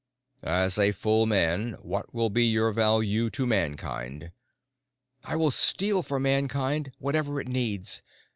"As a full man, what will be your value to Mankind?" "I will steal for Mankind whatever it needs.